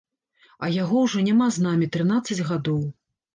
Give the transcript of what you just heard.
А яго ўжо няма з намі трынаццаць гадоў.